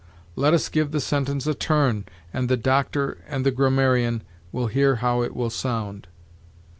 Let us give the sentence a turn, and the Doctor and the grammarian will hear how it will sound.